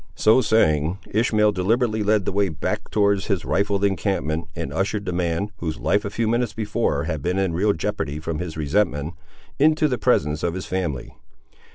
So saying, Ishmael deliberately led the way back towards his rifled encampment, and ushered the man, whose life a few minutes before had been in real jeopardy from his resentment, into the presence of his family.